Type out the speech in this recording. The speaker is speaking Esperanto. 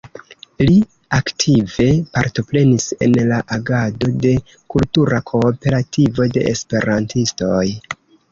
Li aktive partoprenis en la agado de Kultura Kooperativo de Esperantistoj.